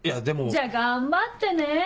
じゃあ頑張ってね！